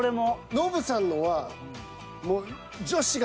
ノブさんのは。